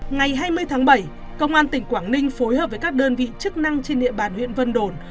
ngày hai mươi tháng bảy công an tỉnh quảng ninh phối hợp với các đơn vị chức năng trên địa bàn huyện vân đồn